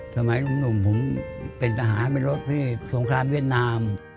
สมัยลุงผมเป็นทหารไปรถที่สงครามเวียดนาม